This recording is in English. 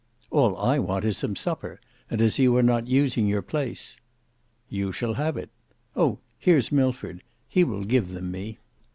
"All I want is some supper, and as you are not using your place—" "You shall have it. Oh! here's Milford, he will give them me."